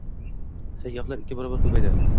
Sayyohlar ikki barobar ko‘paydi